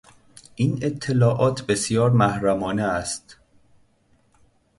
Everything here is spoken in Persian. این اطلاعات بسیار محرمانه است.